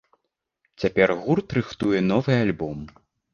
Цяпер гурт рыхтуе новы альбом.